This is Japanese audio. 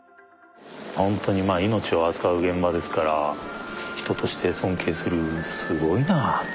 ほんとにまあ命を扱う現場ですから人として尊敬するすごいなって。